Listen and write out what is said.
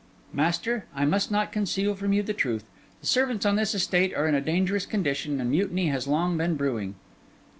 'Master, I must not conceal from you the truth. The servants on this estate are in a dangerous condition, and mutiny has long been brewing.